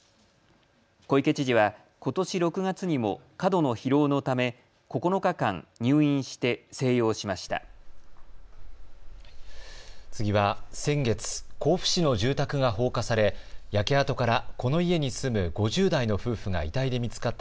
小池知事は、ことし６月にも過度の疲労のため９日間、入院して静養しました。